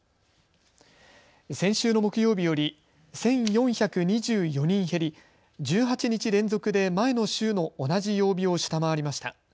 先週の木曜日より１４２４人減り１８日連続で前の週の同じ曜日を下回りました。